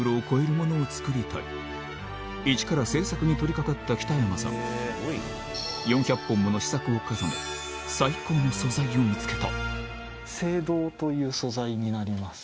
イチから制作に取り掛かった北山さん４００本もの試作を重ね最高の素材を見つけた青銅という素材になります。